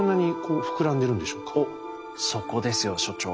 おっそこですよ所長。